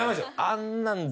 あんなん